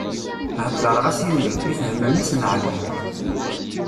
Hedṛeɣ-as i mmi, ifhem mmi-s n ɛemmi.